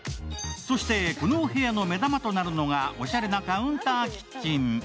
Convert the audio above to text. このお部屋の目玉となるのがおしゃれなカウンターキッチン。